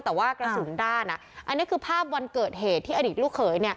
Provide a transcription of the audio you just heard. แต่ว่ากระสุนด้านอันนี้คือภาพวันเกิดเหตุที่อดีตลูกเขย